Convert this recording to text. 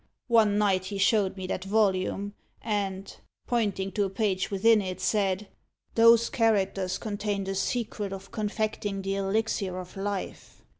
One night he showed me that volume, and, pointing to a page within it, said: 'Those characters contain the secret of confecting the elixir of life.